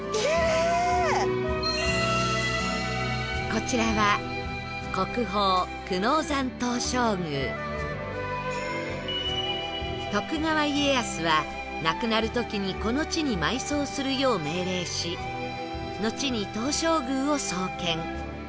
こちらは徳川家康は亡くなる時にこの地に埋葬するよう命令しのちに東照宮を創建